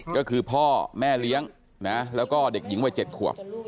ก็คือพ่อแม่เลี้ยงนะแล้วก็เด็กหญิงวัย๗ขวบ